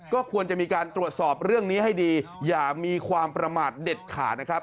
ก็ควรจะมีการตรวจสอบเรื่องนี้ให้ดีอย่ามีความประมาทเด็ดขาดนะครับ